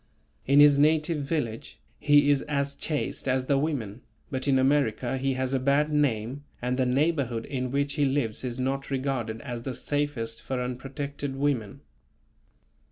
In his native village he is as chaste as the women, but in America he has a bad name and the neighbourhood in which he lives is not regarded as the safest for unprotected women.